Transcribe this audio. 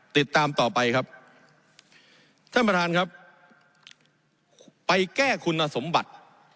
ติดตามต่อไปครับท่านประธานครับไปแก้คุณสมบัติ